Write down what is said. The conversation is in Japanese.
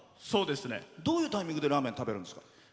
どういうタイミングでラーメン食べるんですか？